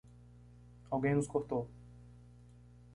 Alguém nos cortou!